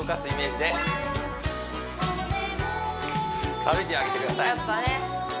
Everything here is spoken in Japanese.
歩いてあげてください